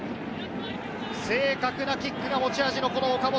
正確なキックが持ち味の岡本。